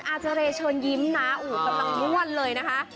นั่นอาจารย์เชิญยิ้มนะอู๋แบบร่างมวลเลยนะคะ